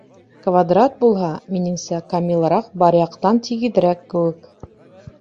— Квадрат булһа, минеңсә, камилыраҡ, бар яҡтан тигеҙерәк кеүек.